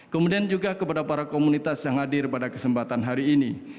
kemudian juga kepada para komunitas yang hadir pada kesempatan hari ini